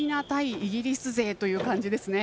イギリス勢という感じです。